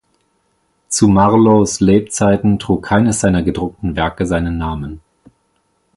Zu Marlowes Lebzeiten trug keines seiner gedruckten Werke seinen Namen.